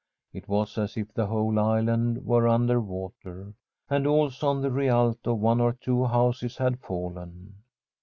It was as if the whole island were under water. And also on the Rialto one or two houses had fallen.